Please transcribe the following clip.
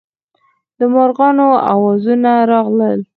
د مارغانو اوازونه راغلل.